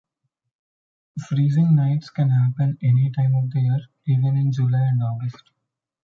Freezing nights can happen any time of the year, even in July and August.